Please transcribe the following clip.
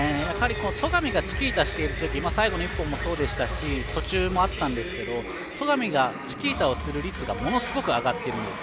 戸上がチキータしている時最後の１本もそうでしたし途中もあったんですけど戸上がチキータをする率がものすごく上がっているんです。